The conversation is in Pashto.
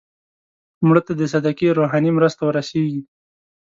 مړه ته د صدقې روحاني مرسته ورسېږي